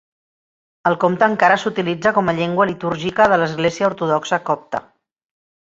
El copte encara s'utilitza com a llengua litúrgica de l'Església Ortodoxa Copta.